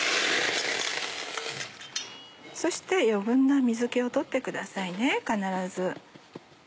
そして余分な水気を取ってください必ず。